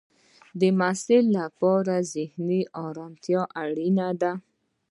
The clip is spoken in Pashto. د محصل لپاره ذهنی ارامتیا اړینه ده.